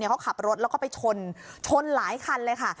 เขาขับรถแล้วก็ไปชนชนหลายคันเลยค่ะ